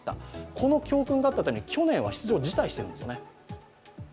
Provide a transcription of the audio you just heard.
この教訓があったため、去年は出場を辞退してるんですよね。